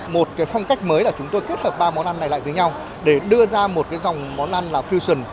mới là chúng tôi kết hợp ba món ăn này lại với nhau để đưa ra một dòng món ăn là fusion